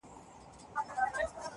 د پسونوتر زړو ویني څڅېدلې-